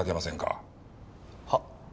はっ？